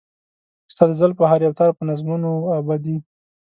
ستا د زلفو هر يو تار په نظمونو و اوبدي .